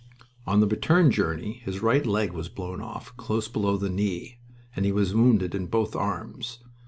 On the return journey his right leg was blown off close below the knee and he was wounded in both arms.